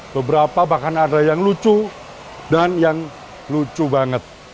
beberapa bahkan ada yang lucu dan yang lucu banget